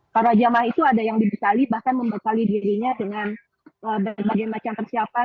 para jamaah itu ada yang dibekali bahkan membekali dirinya dengan berbagai macam persiapan